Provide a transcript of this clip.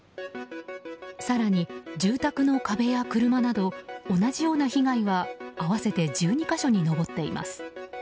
更に住宅の壁や車など同じような場所でも被害は合わせて１２か所に上っています。